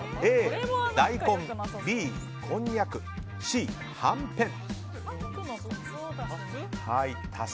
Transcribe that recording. Ａ、大根Ｂ、こんにゃくＣ、はんぺん。